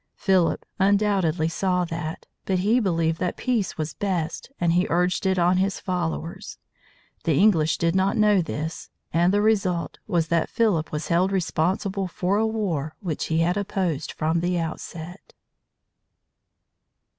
Philip undoubtedly saw that, but he believed that peace was best and he urged it on his followers. The English did not know this, and the result was that Philip was held responsible for a war which he had opposed from the outset.